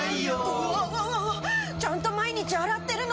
うわわわわちゃんと毎日洗ってるのに。